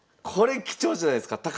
これ貴重じゃないすか？